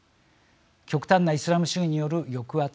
極端なイスラム主義による抑圧